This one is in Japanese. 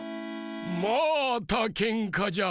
またけんかじゃ。